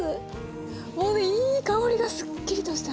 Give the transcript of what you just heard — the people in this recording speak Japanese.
もういい香りがすっきりとした。